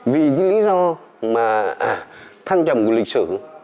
vì lý do thăng trầm của lịch sử